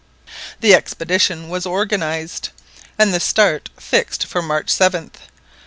The expedition was organised and the start fixed for March 7th.